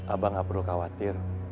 abah nggak perlu khawatir